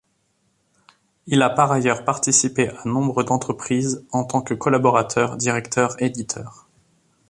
Il a par ailleurs participé à nombre d'entreprises en tant que collaborateur, directeur, éditeur.